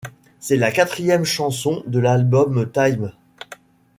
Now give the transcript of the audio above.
C'est la quatrième chanson de l'album Time.